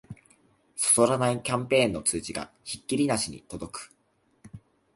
そそらないキャンペーンの通知がひっきりなしに届く